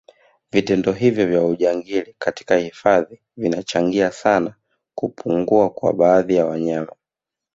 Vitendo hivyo vya ujangili katika hifadhi vinacahangia sana kupungua kwa baadhi ya wanyama